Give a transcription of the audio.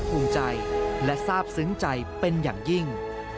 ภูมิใจและทราบซึ้งใจเป็นอย่างยิ่ง